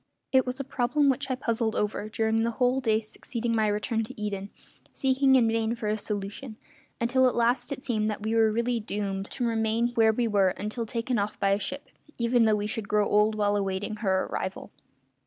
It was a problem which I puzzled over during the whole day succeeding my return to Eden, seeking in vain for a solution, until at last it seemed that we were really doomed to remain where we were until taken off by a ship, even though we should grow old while awaiting her arrival.